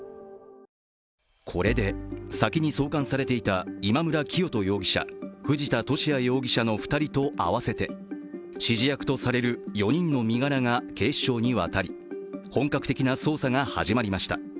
これで先に送還されていた今村磨人容疑者、藤田聖也容疑者の２人と合わせて指示役とされる４人の身柄が警視庁に渡り本格的な捜査が始まりました。